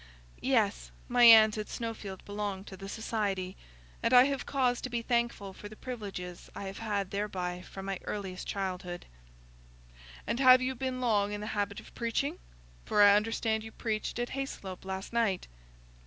"Yes, my aunt at Snowfield belonged to the Society, and I have cause to be thankful for the privileges I have had thereby from my earliest childhood." "And have you been long in the habit of preaching? For I understand you preached at Hayslope last night."